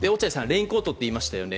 レインコートと言いましたよね